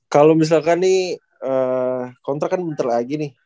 kalau misalkan nih kontrak kan bentar lagi nih